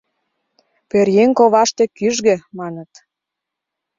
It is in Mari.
Пӧръеҥ коваште кӱжгӧ, маныт.